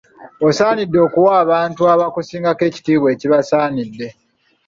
Osaanidde okuwa abantu abakusingako ekitiibwa ekibasaanidde.